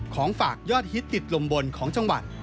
ของฝากยอดฮิตติดลมบนของจังหวัด